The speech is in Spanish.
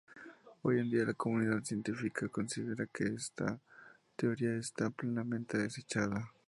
Hoy en día, la comunidad científica considera que esta teoría está plenamente desechada.